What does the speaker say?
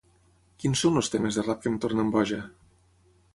Quins són els temes de rap que em tornen boja?